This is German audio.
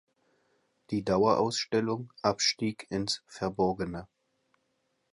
Die Dauerausstellung „Abstieg ins Verborgene.